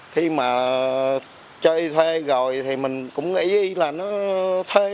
khi mà chơi thuê rồi thì mình cũng nghĩ là nó thuê